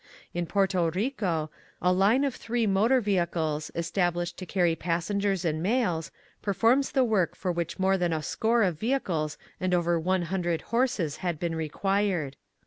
In Porto Rico a line of three motor vehicles, established to carry passengers and mails, performs the work for which more than a score of vehicles and over 100 horses had been rec[uired.